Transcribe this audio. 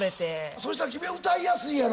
そしたら君は歌いやすいやろ。